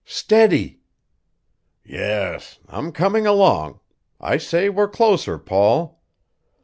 "Steady." "Yes. I'm coming along. I say, we're closer, Paul."